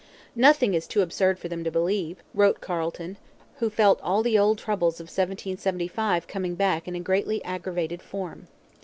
'Nothing is too absurd for them to believe, wrote Carleton, who felt all the old troubles of 1775 coming back in a greatly aggravated form.